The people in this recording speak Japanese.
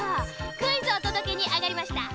クイズおとどけにあがりました。